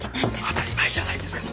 当たり前じゃないですか。